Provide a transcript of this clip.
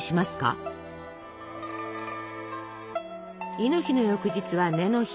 亥の日の翌日は子の日。